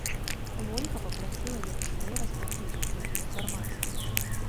Вольга папрасіла як шырэй распаўсюдзіць гэтую інфармацыю.